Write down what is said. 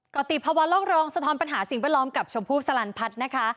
กรติภาวะโลกรองสะท้อนปัญหาสิ่งแวดล้อมกับชมพู่สลันพัฒน์นะคะ